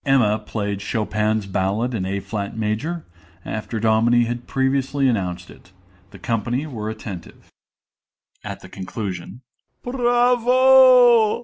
(Emma played Chopin's Ballad in A flat major, after Dominie had previously announced it. The company were attentive.) MR. FORTE (at the conclusion). Bravo!